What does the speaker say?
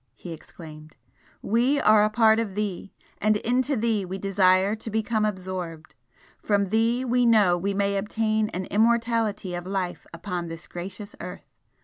he exclaimed "We are a part of Thee, and into Thee we desire to become absorbed! From Thee we know we may obtain an immortality of life upon this gracious earth!